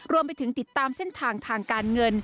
รวมไปถึงติดตามเส้นทางทางการเงิน